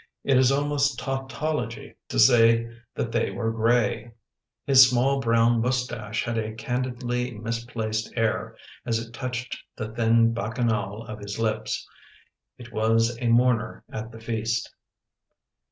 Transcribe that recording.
It is almost tautology to say that they were gray. His small brown moustache had a candidly misplaced air as it touched the thin bacchanale of his lips. It was a mourner at the feast.